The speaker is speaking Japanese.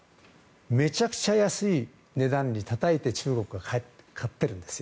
めちゃくちゃ安い値段にたたえて中国が買っているんですよ。